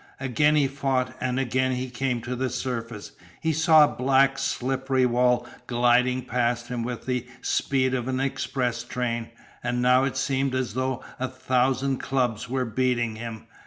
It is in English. Again he fought, and again he came to the surface. He saw a black, slippery wall gliding past him with the speed of an express train. And now it seemed as though a thousand clubs were beating him.